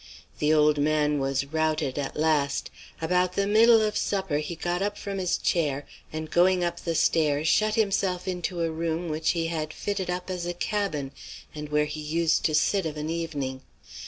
The old man was routed at the last. About the middle of supper he got up from his chair, and going up the stairs shut himself into a room which he had fitted up as a cabin, and where he was used to sit of an evening.